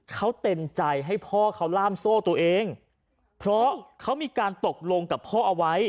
เขาเต็มใจให้พ่อเขาล่ามโซ่ตัวเองเพราะเขามีการตกลงกับพ่อเอาไว้